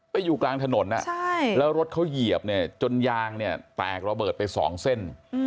ไปอยู่กลางถนนแล้วรถเขาเหยียบจนยางแตกระเบิดไปสองเส้น